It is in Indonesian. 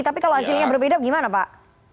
tapi kalau hasilnya berbeda gimana pak